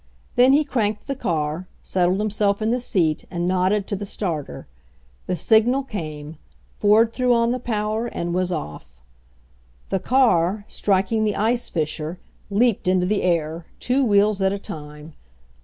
Then he cranked the car, settled himself in the seat and nodded to the starter. The sig nal came, Ford threw on the power and was off. The car, striking the ice fissure, leaped into the air, two wheels at a time.